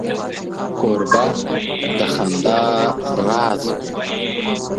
کوربه د خندا راز وي.